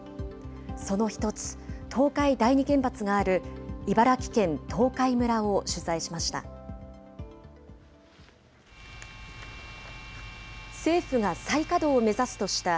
その一つ、東海第二原発がある茨城県東海村を取材しました。